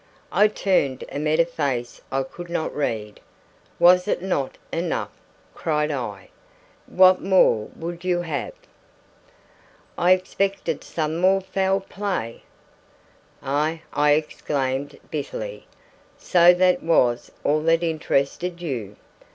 I turned and met a face I could not read. "Was it not enough?" cried I. "What more would you have?" "I expected some more foul play!" "Ah!" I exclaimed bitterly. "So that was all that interested you!